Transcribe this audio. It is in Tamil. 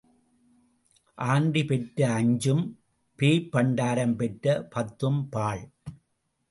ஆண்டி பெற்ற அஞ்சும் பேய் பண்டாரம் பெற்ற பத்தும் பாழ்.